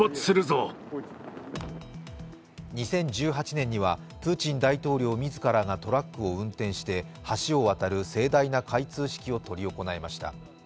２０１８年にはプーチン大統領自らがトラックを運転して橋を渡る盛大な開通式を執り行いました。